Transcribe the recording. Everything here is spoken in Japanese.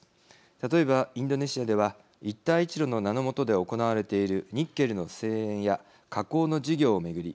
例えば、インドネシアでは一帯一路の名の下で行われているニッケルの精錬や加工の事業を巡り